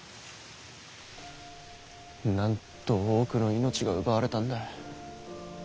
なんと多くの命が奪われたんだ。